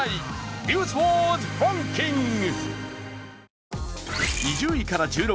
「ニュースワードランキング」。